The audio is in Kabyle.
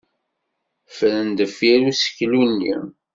Ffren deffir useklu-nni.